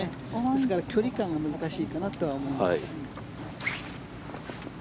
ですから距離感が難しいかなとは思います。